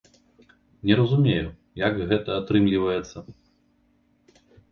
Не разумею, як гэта так атрымліваецца.